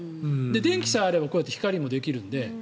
電気さえあればこうやって光もできるので。